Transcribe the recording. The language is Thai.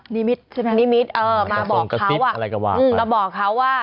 นิมิตรใช่ไหมครับนิมิตรเออมาบอกเขาว่าอืมมาบอกเขาว่า